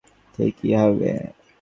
শরীরের আকার অনুসারে ওজন ঠিকই হবে।